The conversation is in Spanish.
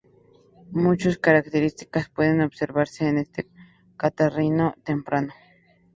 Muchas características pueden observarse en este catarrino temprano.